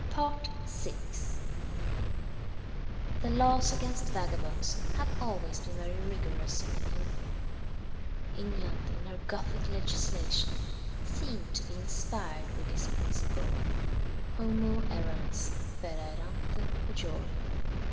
VI. The laws against vagabonds have always been very rigorous in England. England, in her Gothic legislation, seemed to be inspired with this principle, Homo errans fera errante pejor.